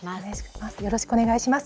よろしくお願いします。